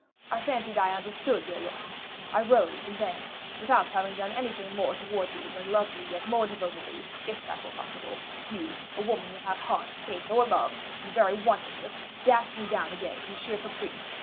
I fancied I understood your looks, I rose, and then, without having done anything more towards you than love you yet more devotedly, if that were possible you, a woman without heart, faith, or love, in very wantonness, dashed me down again from sheer caprice.